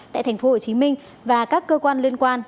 tại tp hcm và các cơ quan liên quan